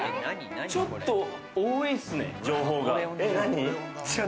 ちょっと多いですね、情報が。